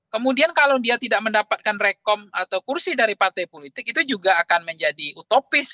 kemudian kalau dia tidak mendapatkan rekom atau kursi dari partai politik itu juga akan menjadi utopis